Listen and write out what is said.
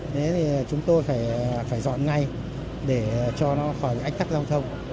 thế thì chúng tôi phải dọn ngay để cho nó khỏi ách tắc giao thông